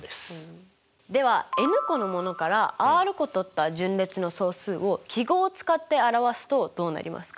ではｎ個のものからｒ個とった順列の総数を記号を使って表すとどうなりますか？